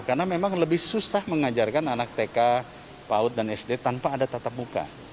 karena memang lebih susah mengajarkan anak tk paud dan sd tanpa ada tatap muka